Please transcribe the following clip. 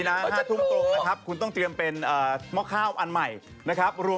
เราขอแบบทุกคนหลอดก็เล่นว่าเวลาหมดแล้ว